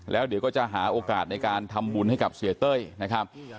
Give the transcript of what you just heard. แล้วเดี๋ยวก็จะหาโอกาสในการทำบุญให้กับเสียเต้ยนะครับ